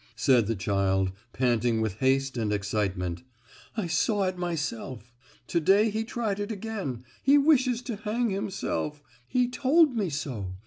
said the child, panting with haste and excitement; "I saw it myself! To day he tried it again,—he wishes to hang himself; he told me so!